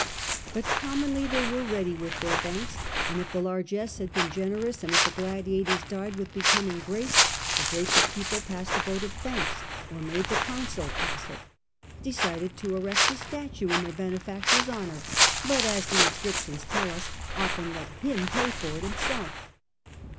But commonly they were ready with "ent their tlianks ; and if the largess had been generous and if the gladiators died with becoming grace, the grateful people passed a vote of thanks, or made the council pass 1 90 The Earlier Empire, it, decided to erect a statue in their benefactor's hon our, but, as the inscriptions tell us, often let him pay for it himself.